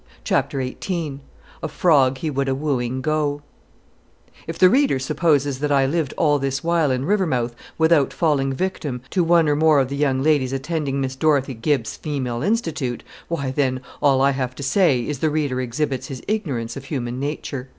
Chapter Eighteen A Frog He Would A Wooing Go If the reader supposes that I lived all this while in Rivermouth without falling a victim to one or more of the young ladies attending Miss Dorothy Gibbs's Female Institute, why, then, all I have to say is the reader exhibits his ignorance of human nature.